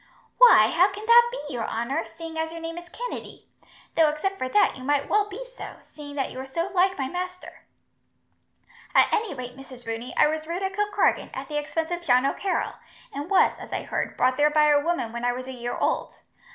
"Why, how can that be, your honour, seeing as your name is Kennedy? Though, except for that, you might well be so, seeing that you are so like my master." "At any rate, Mrs. Rooney, I was reared at Kilkargan, at the expense of John O'Carroll, and was, as I heard, brought there by a woman when I was a year old.